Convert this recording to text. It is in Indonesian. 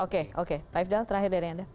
oke oke raif dahl terakhir dari anda